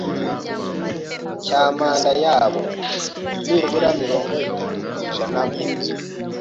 cya manda yabo. Nibura mirongo itatu ku ijana mu